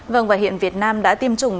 vâng và hiện việt nam đã tiêm chủng